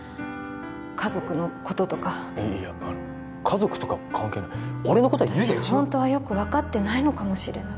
家族のこととかいやいやあの家族とか関係ない俺のことは悠依が一番私ほんとはよく分かってないのかもしれない